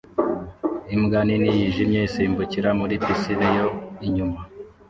Imbwa nini yijimye isimbukira muri pisine yo inyuma